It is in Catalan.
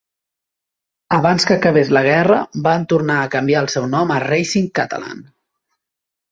Abans que acabés la guerra, van tornar a canviar el seu nom a Racing Catalan.